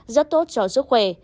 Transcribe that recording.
rất tốt cho sức khỏe